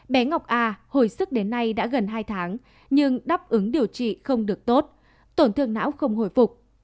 bé ngọc a hồi sức đến nay đã gần hai tháng nhưng đáp ứng điều trị không được tốt tổn thương não không hồi phục